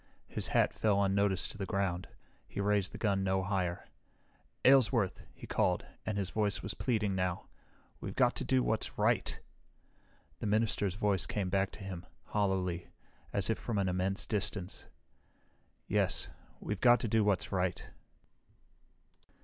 His hat fell unnoticed to the ground. He raised the gun no higher. "Aylesworth," he called, and his voice was pleading now, "we've got to do what's right!" The minister's voice came back to him, hollowly, as if from an immense distance. "Yes, we've got to do what's right."